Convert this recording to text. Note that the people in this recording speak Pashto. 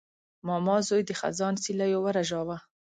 ماما زوی د خزان سیلیو ورژاوه.